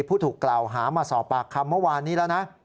ผู้ถูกกล่าวหามาสอบปากคำเมื่อวานนี้แล้วนะ